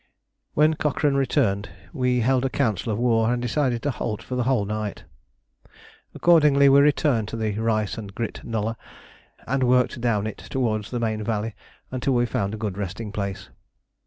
When Cochrane returned we held a council of war and decided to halt for the whole night. Accordingly we returned to the rice and grit nullah, and worked down it towards the main valley until we found a good resting place.